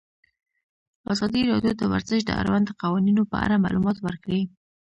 ازادي راډیو د ورزش د اړونده قوانینو په اړه معلومات ورکړي.